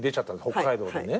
北海道でね。